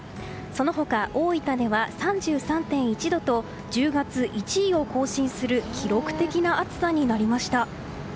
その他、大分では３３．１度と１０月１位を更新する記録的な暑さになりました。